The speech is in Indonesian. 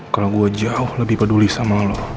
kalau gue jauh lebih peduli sama lo